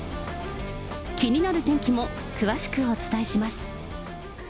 気になる天気も、詳しくお伝えします。